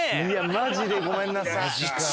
マジでごめんなさい。